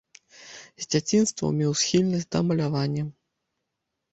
З дзяцінства меў схільнасць да малявання.